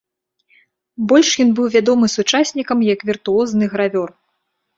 Больш ён быў вядомы сучаснікам як віртуозны гравёр.